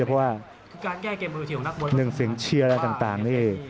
เพราะว่านึกสิ่งเชียร์และต่างนี่